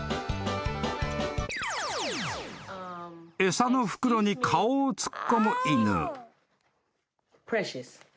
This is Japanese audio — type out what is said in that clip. ［餌の袋に顔を突っ込む犬］